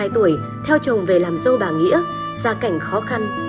hai mươi tuổi theo chồng về làm dâu bà nghĩa gia cảnh khó khăn